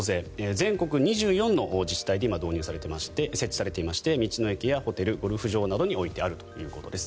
全国２４の自治体で今、導入されていまして設置されていまして道の駅やホテル、ゴルフ場などに置いてあるということです。